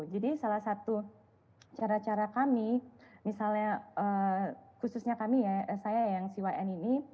jadi salah satu cara cara kami misalnya khususnya kami ya saya yang cyn ini